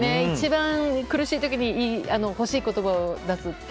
一番苦しい時に欲しい言葉を出す。